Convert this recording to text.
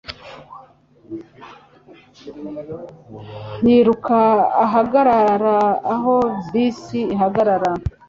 yiruka ahagarara aho bisi ihagarara